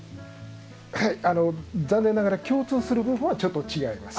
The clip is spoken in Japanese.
はい残念ながら共通する部分はちょっと違います。